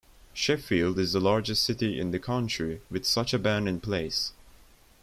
Sheffield is the largest city in the country with such a ban in place.